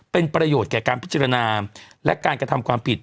เป็นประโยชน์แก่การพิจารณาและการกระทำความผิด